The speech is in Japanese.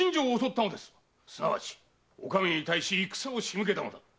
すなわちお上に対し戦を仕向けたのだ。